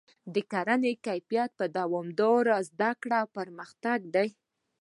د کرنې کیفیت په دوامداره زده کړه او پرمختګ کې دی.